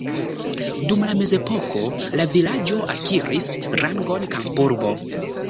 Dum la mezepoko la vilaĝo akiris rangon kampurbo.